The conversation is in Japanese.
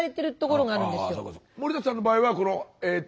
森田さんの場合はこのえっと。